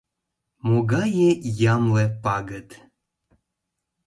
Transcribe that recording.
Могае ямле пагыт!